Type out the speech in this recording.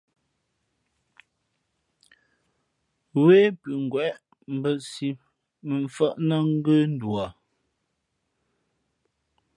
Wē pʉ̌ ngwěʼ mbᾱ siʼ mα mfάʼ nά ngə̂nduα.